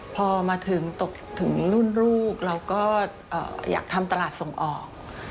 พอมาถึงตกถึงรุ่นลูกเราก็อยากทำตลาดส่งออก